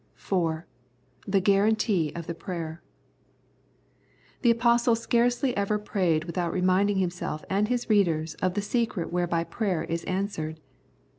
4. The Guarantee of the Prayer. The Apostle scarcely ever prayed without reminding himself and his readers of the secret whereby prayer is answered.